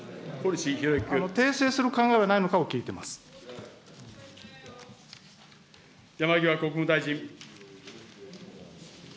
訂正する考えはないのかを聞山際国務大臣。